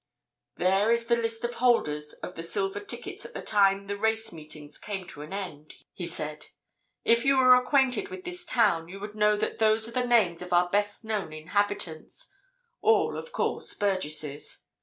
"There is the list of holders of the silver tickets at the time the race meetings came to an end," he said. "If you were acquainted with this town you would know that those are the names of our best known inhabitants—all, of course, burgesses.